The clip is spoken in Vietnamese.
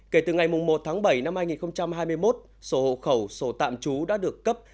kể từ ngày một tháng bảy năm hai nghìn hai mươi một sổ hộ khẩu sổ tạm trú đã được cấp